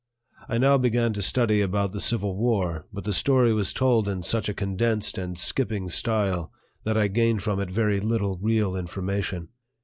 I now began to study about the Civil War, but the story was told in such a condensed and skipping style that I gained from it very little real information.